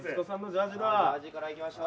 ジャージからいきましょう。